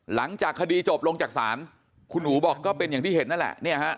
หลังจากคดีจบลงจากศาลคุณอู๋บอกก็เป็นอย่างที่เห็นนั่นแหละ